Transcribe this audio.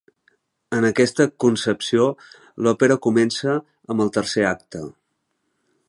En aquesta concepció, l'òpera comença amb el tercer acte.